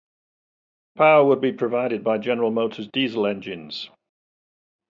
Power would be provided by General Motors diesel engines.